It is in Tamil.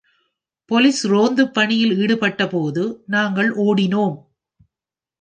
போலீஸ் ரோந்து பணியில் ஈடுபட்டபோது நாங்கள் ஓடினோம்.